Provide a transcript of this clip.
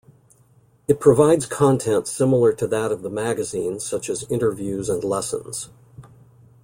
It provides content similar to that of the magazine such as interviews and lessons.